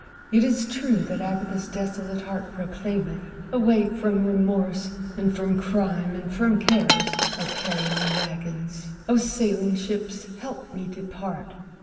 it is true that Agatha's desolate heart, Proclaimeth, "Away from remorse, and from crimes, and from cares," Oh, carry me, waggons, oh, sailing ships, help me depart!